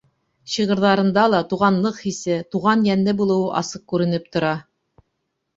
Шиғырҙарында ла туғанлыҡ хисе, туған йәнле булыуы асыҡ күренеп тора.